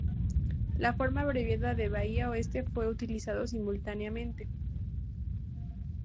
La forma abreviada Bahía Oeste fue utilizado simultáneamente.